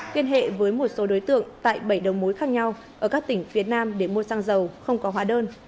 tiên hệ với một số đối tượng tại bảy đồng mối khác nhau ở các tỉnh việt nam để mua xăng dầu không có hóa đơn